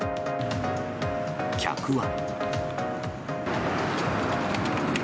客は。